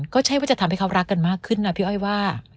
ก็ใช่ว่าจะทำให้เขารักกันมากขึ้นนะพี่อ้อยว่า